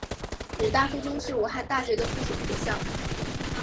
武大附中是武汉大学的附属学校。